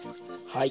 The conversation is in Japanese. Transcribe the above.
はい。